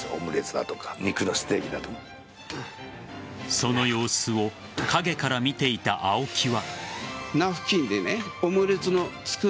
その様子を陰から見ていた青木は。